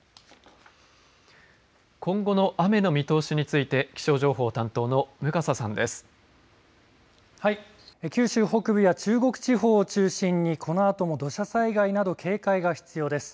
今後の雨の見通しについて気象情報担当の九州北部や中国地方を中心にこのあとも土砂災害など警戒が必要です。